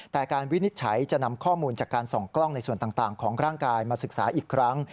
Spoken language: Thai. แต่การวินิจฉัยจะนำข้อมูลจากการส่องกล้องในส่วนต่างของร่างกายมาศึกษาอีกครั้ง